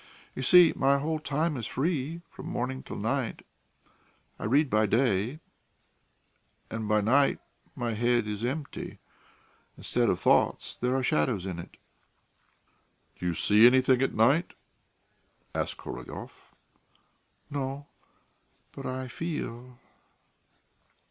You see, my whole time is free from morning till night. I read by day, and by night my head is empty; instead of thoughts there are shadows in it." "Do you see anything at night?" asked Korolyov. "No, but I feel...."